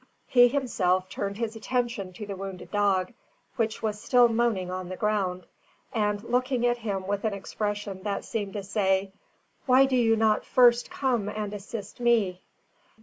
He himself turned his attention to the wounded dog, which was still moaning on the ground, and looking at him with an expression that seemed to say, "Why do you not first come and assist me."